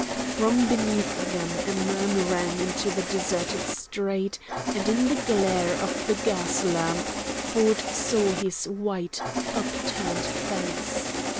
From beneath them a man ran into the deserted street, and in the glare of the gas lamp Ford saw his white, upturned face.